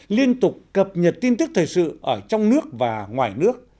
liên tục cập nhật tin tức thời sự ở trong nước và ngoài nước